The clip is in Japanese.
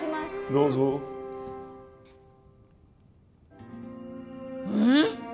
どうぞうん？